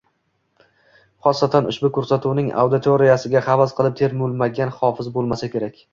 Xossatan, ushbu koʻrsatuvning auditoriyasiga havas qilib termulmagan hofiz boʻlmasa kerak.